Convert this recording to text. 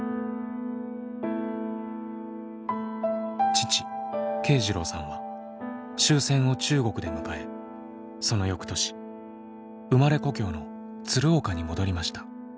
父慶次郎さんは終戦を中国で迎えその翌年生まれ故郷の鶴岡に戻りました。